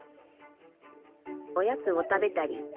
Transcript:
おやつを食べたり。